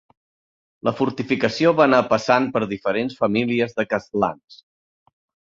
La fortificació va anar passant per diferents famílies de castlans.